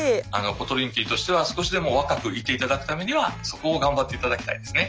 コトリンキーとしては少しでも若くいていただくためにはそこを頑張っていただきたいですね。